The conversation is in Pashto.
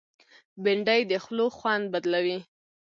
بېنډۍ د خولو خوند بدلوي